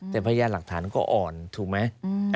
แต่พยานหลักฐานก็อ่อนถูกไหม